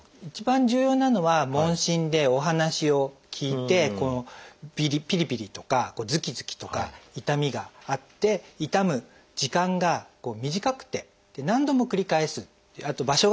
一番重要なのは問診でお話を聞いてピリピリとかズキズキとか痛みがあって痛む時間が短くて何度も繰り返すという。